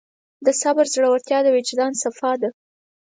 د صبر زړورتیا د وجدان صفا ده.